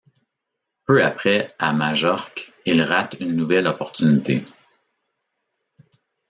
Peu après, à Majorque, il rate une nouvelle opportunité.